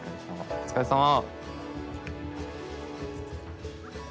お疲れさま。